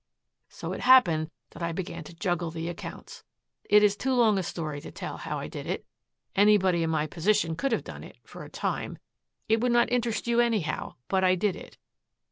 So it happened that I began to juggle the accounts. It is too long a story to tell how I did it. Anybody in my position could have done it for a time. It would not interest you anyhow. But I did it.